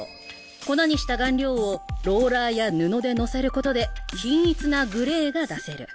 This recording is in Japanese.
粉にした顔料をローラーや布でのせることで均一なグレーが出せる。